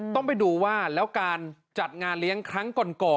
ต้องไปดูว่าแล้วการจัดงานเลี้ยงครั้งก่อน